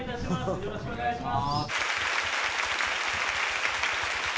よろしくお願いします。